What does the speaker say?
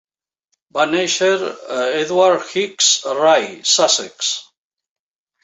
Va néixer a Edward Hicks a Rye, Sussex.